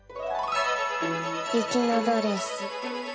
「雪のドレス」。